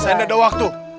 saya tidak ada waktu